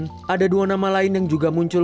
di kumpuan ada dua nama lain yang juga muncul